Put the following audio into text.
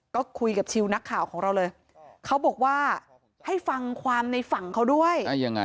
ก็คุยกับชิลนักข่าวของเราเลยเขาบอกว่าให้ฟังความในฝั่งเขาด้วย